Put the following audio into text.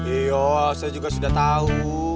iya saya juga sudah tahu